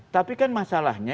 tapi kan masalahnya